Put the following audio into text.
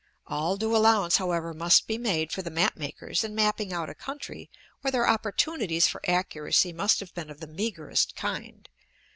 All due allowance, however, must be made for the map makers in mapping out a country where their opportunities for accuracy must have been of the meagerest kind.